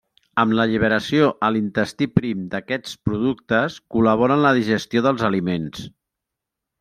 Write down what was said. Amb l'alliberació a l'intestí prim d'aquests productes col·labora en la digestió dels aliments.